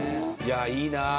いやあいいな。